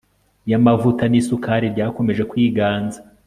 yamavuta nisukari ryakomeje kwiganza